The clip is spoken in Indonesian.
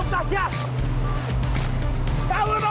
tasya jangan lari